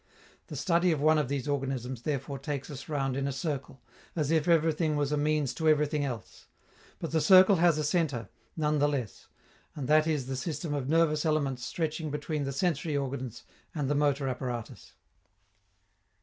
The study of one of these organisms therefore takes us round in a circle, as if everything was a means to everything else. But the circle has a centre, none the less, and that is the system of nervous elements stretching between the sensory organs and the motor apparatus.